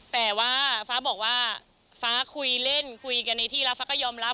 แต่ว่าฟ้าบอกว่าฟ้าคุยเล่นคุยกันในที่รับฟ้าก็ยอมรับ